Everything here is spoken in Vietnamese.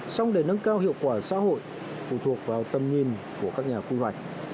xong để nâng cao hiệu quả xã hội phụ thuộc vào tầm nhìn của các nhà quy hoạch